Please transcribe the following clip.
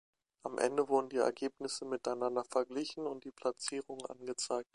Am Ende wurden die Ergebnisse miteinander verglichen und die Platzierungen angezeigt.